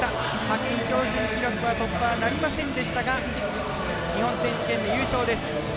派遣標準記録は突破はなりませんでしたが日本選手権優勝です。